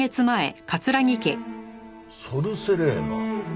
「ソル・セレーノ」？